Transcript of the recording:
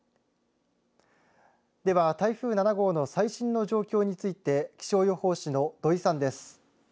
では台風７号の最新の状況について気象予報士の土井さんです。